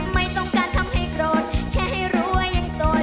ไม่ต้องการทำให้โกรธแค่ให้รวยยังโสด